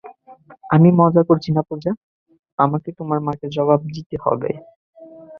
আমি মজা করছি না, পূজা, আমাকে তোমার মাকে জবাব দিতে হবে।